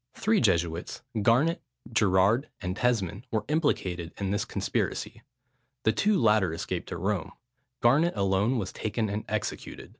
Three Jesuits, Garnet, Gerard, and Tesmond, were implicated in this conspiracy: the two latter escaped to Rome, Garnet alone was taken and executed.